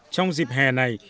trong dịp hè này